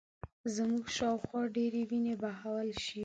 زموږ شا و خوا ډېرې وینې بهول شوې